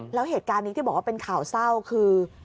แล้วเหตุการณ์นี้ที่บอกว่าเป็นข่าวเศร้าคือ